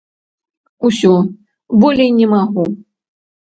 Усё, болей не магу.